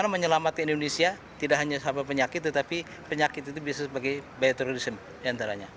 selamat ke indonesia tidak hanya hama penyakit tetapi penyakit itu bisa sebagai bioterorisme